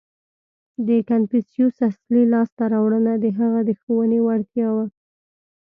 • د کنفوسیوس اصلي لاسته راوړنه د هغه د ښوونې وړتیا وه.